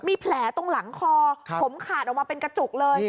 มีแผลตรงหลังคอผมขาดออกมาเป็นกระจุกเลย